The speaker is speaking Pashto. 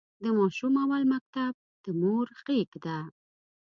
د ماشوم اول مکتب د مور غېږ ده.